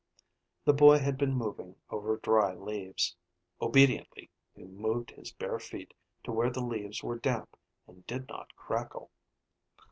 The boy had been moving over dry leaves. Obediently he moved his bare feet to where the leaves were damp and did not crackle.